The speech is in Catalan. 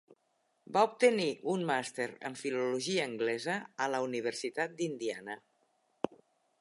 Va obtenir un màster en filologia anglesa a la Universitat d'Indiana.